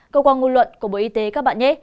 cơ quan ngôn luận của bộ y tế các bạn nhé